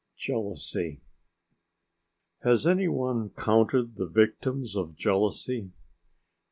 JEALOUSY Has any one counted the victims of jealousy?